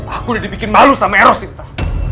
aku udah dibikin malu sama eros itu